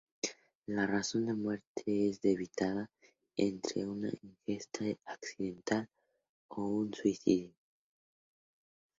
La razón de muerte es debatida entre una ingesta accidental o un suicidio.